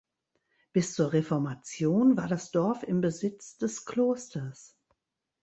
Bis zur Reformation war das Dorf im Besitz des Klosters.